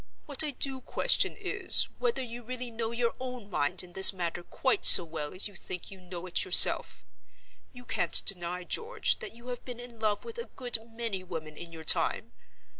What I do question is, whether you really know your own mind in this matter quite so well as you think you know it yourself. You can't deny, George, that you have been in love with a good many women in your time?